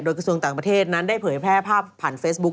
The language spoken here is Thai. กระทรวงต่างประเทศนั้นได้เผยแพร่ภาพผ่านเฟซบุ๊ค